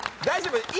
大丈夫？